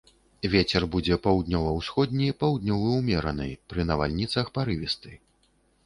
Вецер будзе паўднёва-ўсходні, паўднёвы ўмераны, пры навальніцах парывісты.